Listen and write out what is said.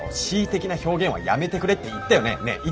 恣意的な表現はやめてくれって言ったよねね？